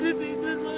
sita udah tidur mak